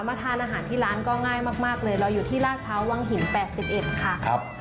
ทานอาหารที่ร้านก็ง่ายมากเลยเราอยู่ที่ลาดพร้าววังหิน๘๑ค่ะ